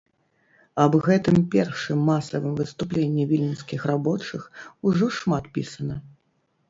Аб гэтым першым масавым выступленні віленскіх рабочых ужо шмат пісана.